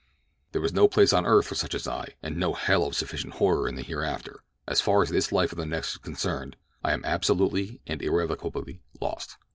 "There was no place on earth for such as I, and no hell of sufficient horror in the hereafter. As far as this life or the next is concerned, I am absolutely and irrevocably lost.